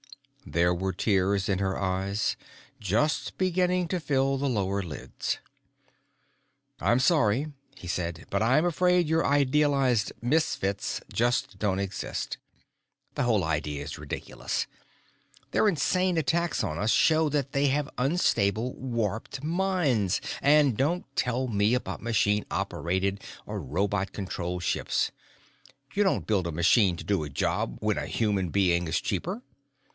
There were tears in her eyes, just beginning to fill the lower lids. "I'm sorry," he said, "but I'm afraid your idealized Misfits just don't exist. The whole idea is ridiculous. Their insane attacks on us show that they have unstable, warped minds and don't tell me about machine operated or robot controlled ships. You don't build a machine to do a job when a human being is cheaper.